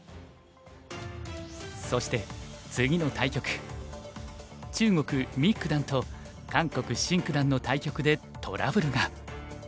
そして次の対局中国九段と韓国シン九段の対局でトラブルが。